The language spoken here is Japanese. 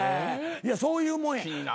いやそういうもんや。